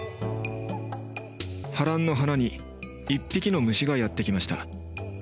ハランの花に一匹の虫がやって来ました。